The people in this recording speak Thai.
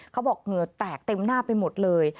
เหงื่อแตกเต็มหน้าไปหมดเลย